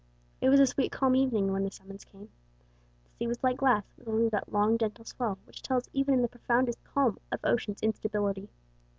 It was a sweet, calm evening when the summons came. The sea was like glass, with only that long, gentle swell which tells even in the profoundest calm of Ocean's instability.